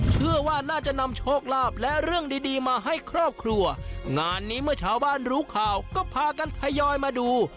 เชื่อว่าน่าจะนำโชคลาภและเรื่องดีดีมาให้ครอบครัวงานนี้เมื่อชาวบ้านรู้ข่าวก็พากันทยอยมาดู